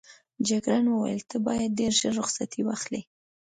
جګړن وویل ته باید ډېر ژر رخصتي واخلې.